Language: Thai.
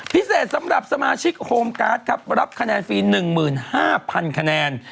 พิเศษสำหรับสมาชิกโฮมการ์ดครับรับคะแนนฟรี๑๕๐๐๐คะแนน